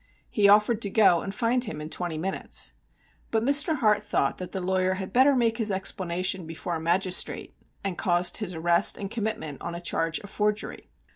He offered to go and find him in twenty minutes. But Mr. Hart thought that the lawyer had better make his explanation before a magistrate, and caused his arrest and commitment on a charge of forgery.